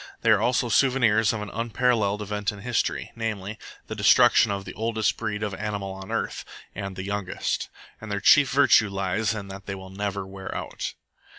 They are also souvenirs of an unparalleled event in history, namely, the destruction of the oldest breed of animal on earth, and the youngest. And their chief virtue lies in that they will never wear out."